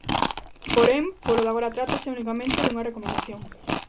Porén, polo de agora trátase unicamente dunha "recomendación".